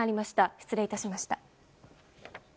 失礼致しました。